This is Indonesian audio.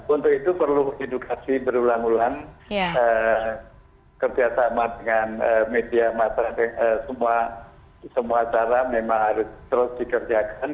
untuk itu perlu edukasi berulang ulang kerjasama dengan media masyarakat semua cara memang harus terus dikerjakan